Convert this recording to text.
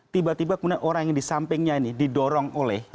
tiba tiba kemudian orang yang di sampingnya ini didorong oleh